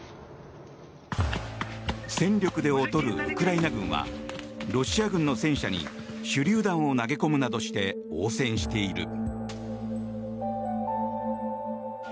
戦力で劣るウクライナ軍はロシア軍の戦車に手りゅう弾を投げ込むなどして応戦している。